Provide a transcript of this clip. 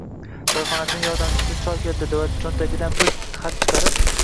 Choyxonachining yordamchisi choy keltirdi va cho'ntagidan bir xat chiqarib